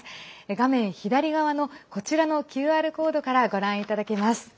画面左側のこちらのＱＲコードからご覧いただけます。